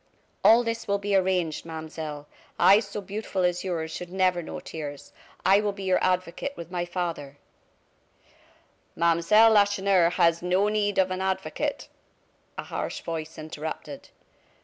All this will be arranged, Mademoiselle. Eyes so beautiful as yours should never know tears. I will be your advocate with my father " "Mademoiselle Lacheneur has no need of an advocate!" a harsh voice interrupted.